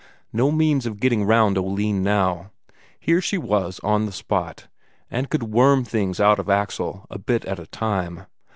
No means of getting round Oline now; here she was on the spot, and could worm things out of Axel a bit at a time.